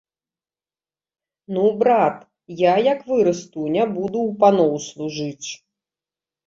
Ну, брат, я, як вырасту, не буду ў паноў служыць.